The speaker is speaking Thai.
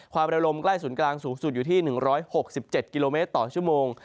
ระลมใกล้ศูนย์กลางสูงสุดอยู่ที่๑๖๗กิโลเมตรต่อชั่วโมง